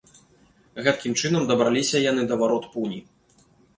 Гэткім чынам дабраліся яны да варот пуні.